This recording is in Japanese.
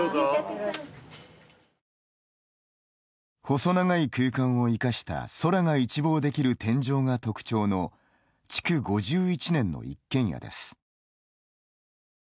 細長い空間を生かした空が一望できる天井が特徴の築５１年の一軒家です。